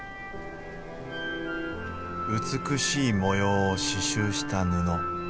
美しい模様を刺しゅうした布。